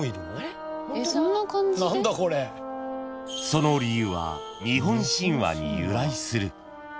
［その理由は日本神話に由来する］